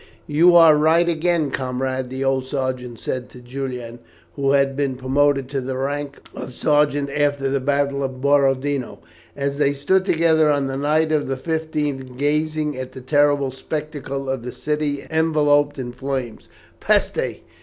"You are right again, comrade," the old sergeant said to Julian, who had been promoted to the rank of sergeant after the battle of Borodino, as they stood together on the night of the 15th gazing at the terrible spectacle of the city enveloped in flames. "_Peste!